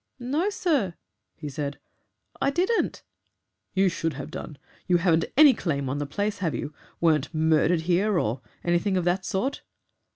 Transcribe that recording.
"'No, sir,' he said, 'I didn't.' "'You should have done. You haven't any claim on the place, have you? Weren't murdered here, or anything of that sort?'